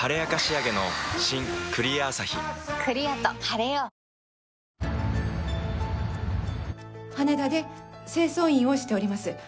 「羽田で清掃員をしております